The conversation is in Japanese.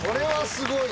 すごーい！